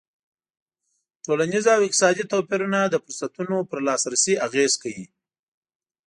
ټولنیز او اقتصادي توپیرونه د فرصتونو پر لاسرسی اغېز کوي.